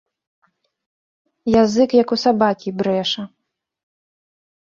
Язык як у сабакі брэша.